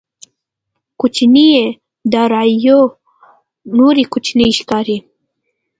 کوچنيې داراییو نورې کوچنۍ ښکاري.